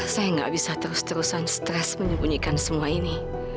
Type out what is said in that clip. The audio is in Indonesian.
saya nggak bisa terus terusan stres menyembunyikan semua ini